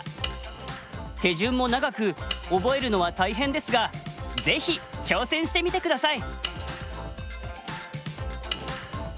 手順も長く覚えるのは大変ですがぜひ挑戦してみて下さい。